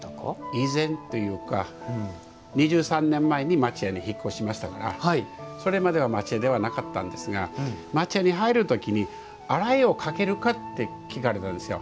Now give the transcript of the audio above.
以前というか２３年前に町家に引っ越しましたからそれまでは町家ではなかったんですが町家に入る時に洗いをかけるかって聞かれたんですよ。